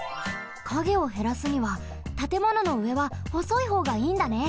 カゲをへらすにはたてもののうえはほそいほうがいいんだね。